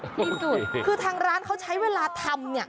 นี่ดูดคือทางร้านเขาใช้เวลาทำ